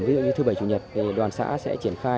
ví dụ như thứ bảy chủ nhật thì đoàn xã sẽ triển khai